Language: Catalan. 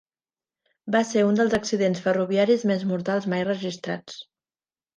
Va ser un dels accidents ferroviaris més mortals mai registrats.